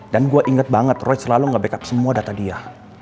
dan gue inget banget roy selalu gak backup semua data dia